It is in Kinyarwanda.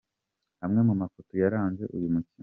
Amwe mu mafoto yaranze uyu mukino.